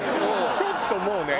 ちょっともうね